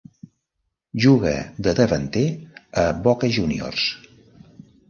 Juga de davanter a Boca Juniors.